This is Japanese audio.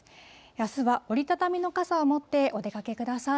あすは折り畳みの傘を持ってお出かけください。